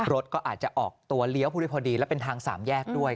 รถก็อาจจะออกตัวเลี้ยวพูดได้พอดีและเป็นทางสามแยกด้วย